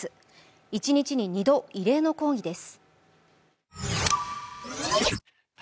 一日に２度、異例の抗議です。